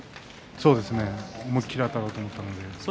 そうですね思い切りあたろうと思ったので。